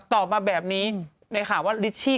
ถามใครดาราคนไหน